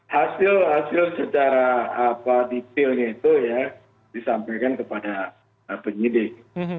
hasil hasil secara detailnya itu ya disampaikan kepada penyidik